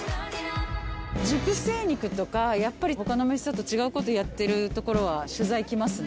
熟成肉とかやっぱり他の店と違う事やってる所は取材来ますね。